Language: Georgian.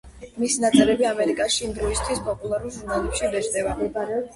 მისი ნაწერები ამერიკაში იმ დროისთვის პოპულარულ ჟურნალებში იბეჭდება.